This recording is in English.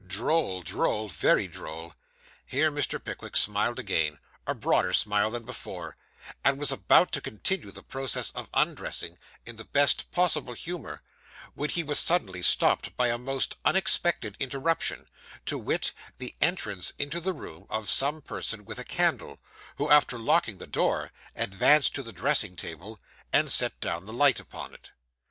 Droll, droll, very droll.' Here Mr. Pickwick smiled again, a broader smile than before, and was about to continue the process of undressing, in the best possible humour, when he was suddenly stopped by a most unexpected interruption: to wit, the entrance into the room of some person with a candle, who, after locking the door, advanced to the dressing table, and set down the light upon it.